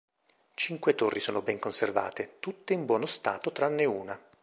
Cinque torri sono ben conservate, tutte in buono stato tranne una.